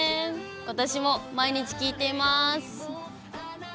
私も毎日聴いています。